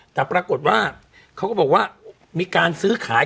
แต่ปรากฏว่าเขาก็บอกว่ามีการซื้อขาย